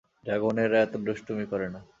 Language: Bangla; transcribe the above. ড্রাগনেরা এতো দুষ্টুমি করে না।